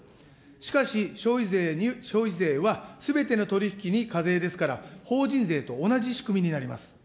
しかし、消費税はすべての取り引きに課税ですから、法人税と同じ仕組みになります。